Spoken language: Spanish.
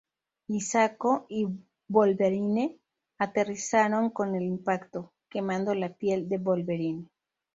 Hisako y Wolverine aterrizaron con el impacto, quemando la piel de Wolverine.